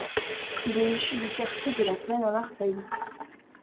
Il est issu du quartier de la Plaine à Marseille.